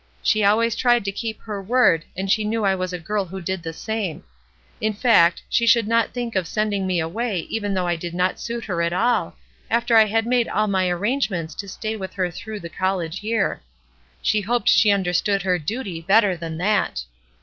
She always tried to keep her word, and she knew I was a girl who did the same. In fact, she should not think of sending me away even though I did not suit her at all, after I had made all my arrangements to stay with her through the college year; she hoped she understood her duty better than that!